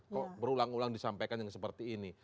kok berulang ulang disampaikan yang seperti ini